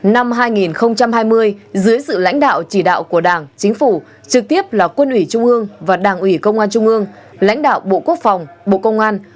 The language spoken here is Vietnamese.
năm hai nghìn hai mươi dưới sự lãnh đạo chỉ đạo của đảng chính phủ trực tiếp là quân ủy trung ương và đảng ủy công an trung ương lãnh đạo bộ quốc phòng bộ công an